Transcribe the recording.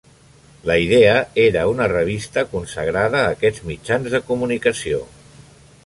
La idea era una revista consagrada a aquests mitjans de comunicació.